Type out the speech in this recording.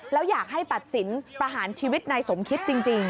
แล้วอยากให้ตัดสินประหารชีวิตนายสมคิดจริง